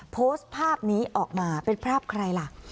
โพสต์ภาพนี้ออกมาเป็นภาพใครล่ะ